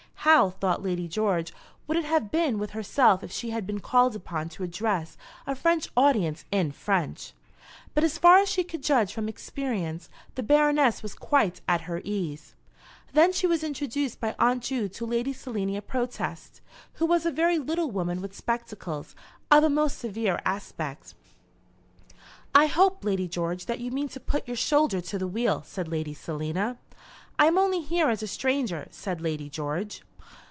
How, thought Lady George, would it have been with herself if she had been called upon to address a French audience in French! But as far as she could judge from experience, the Baroness was quite at her ease. Then she was introduced by Aunt Ju to Lady Selina Protest, who was a very little woman with spectacles, of a most severe aspect. "I hope, Lady George, that you mean to put your shoulder to the wheel," said Lady Selina. "I am only here as a stranger," said Lady George.